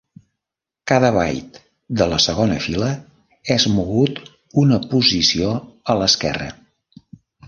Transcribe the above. Cada byte de la segona fila és mogut una posició a l'esquerra.